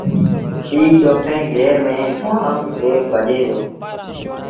ائيٚݩ چوٿيٚن گير ميݩ جآم تيز ڀڄي دو۔